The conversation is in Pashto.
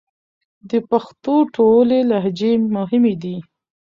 د پښتو ټولې لهجې مهمې دي